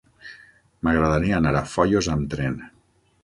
M'agradaria anar a Foios amb tren.